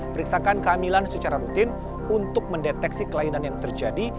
periksakan kehamilan secara rutin untuk mendeteksi kelainan yang terjadi